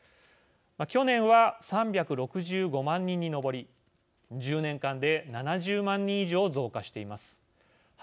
去年は３６５万人に上り１０年間で７０万人以上増加しています。